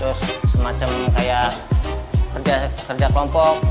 terus semacam kayak kerja kerja kelompok